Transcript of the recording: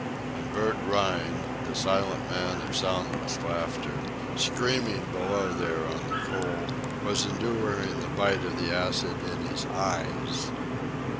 And Bert Rhine, the silent man of soundless laughter, screaming below there on the coal, was enduring the bite of the acid in his eyes!